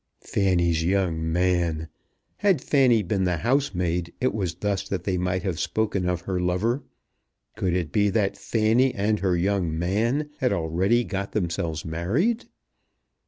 Fanny's young man! Had Fanny been the housemaid, it was thus that they might have spoken of her lover. Could it be that "Fanny and her young man" had already got themselves married?